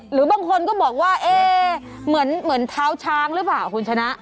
หรือบางคนก็บอกว่าเหมือนเท้าช้างหรือเปล่าคุณชนะ